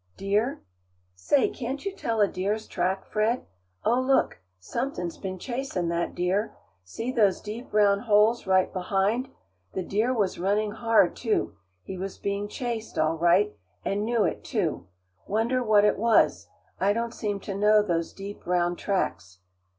"Deer. Say, can't you tell a deer's track, Fred? Oh, look! Somethin's been chasing that deer. See those deep, round holes right behind? The deer was running hard, too; he was being chased, all right, and knew it, too. Wonder what it was. I don't seem to know those deep, round tracks."